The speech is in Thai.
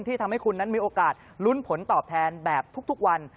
ทำให้คุณนั้นมีโอกาสลุ้นผลตอบแทนแบบทุกวัน